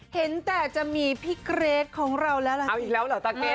เห็นแต่จะมีพี่เกรทของเราแล้วล่ะเอาอีกแล้วเหรอตะเกรท